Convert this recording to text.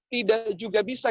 tidak juga bisa